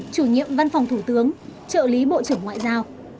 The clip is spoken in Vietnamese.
chủ nhiệm văn phòng thủ tướng trợ lý bộ trưởng ngoại giao